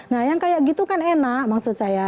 nah yang kayak gitu kan enak maksud saya